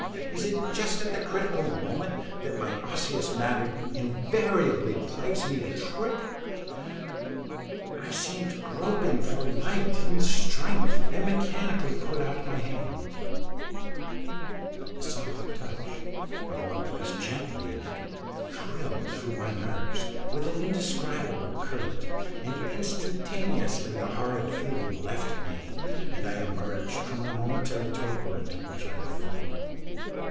It is just at the critical moment that my osseous matter invariably plays me a trick. I seemed groping for light and strength, and mechanically put out my hand; the soft touch of one placed gently in it thrilled through my nerves with an indescribable current, and instantaneously the horrid feeling left me, and I emerged from the momentary torpor into which I had fallen.